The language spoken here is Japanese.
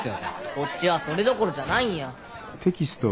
こっちはそれどころじゃないんや。